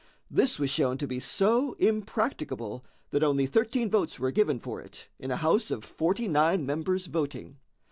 This was shown to be so impracticable that only thirteen votes were given for it in a House of forty nine members voting.